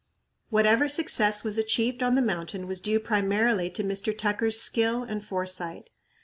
Whatever success was achieved on the mountain was due primarily to Mr. Tucker's skill and foresight.